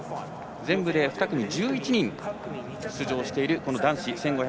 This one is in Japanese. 全部で２組１１人出場している男子１５００